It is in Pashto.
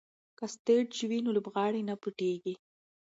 که سټیج وي نو لوبغاړی نه پټیږي.